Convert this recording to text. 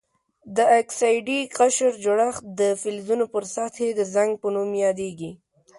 د اکسایدي قشر جوړښت د فلزونو پر سطحې د زنګ په نوم یادیږي.